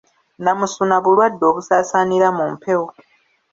Nnamusuna bulwadde obusaasaanira mu mpewo